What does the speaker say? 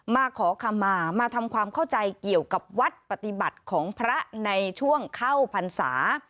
มาขอคำมามาทำความเข้าใจเกี่ยวกับวัดปฏิบัติของพระในช่วงเข้าพรรษา